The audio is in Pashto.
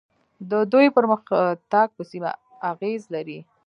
د دوی پرمختګ په سیمه اغیز لري.